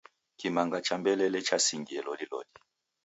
Kimanga cha mbelele chasingie loliloli.